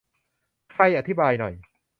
ใครอธิบายหน่อย